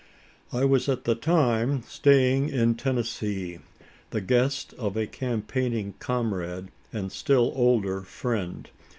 I was at the time staying in Tennessee the guest of a campaigning comrade and still older friend.